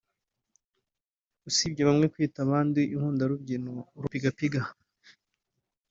usibye bamwe kwita abandi ‘inkundarubyino/rupigapiga’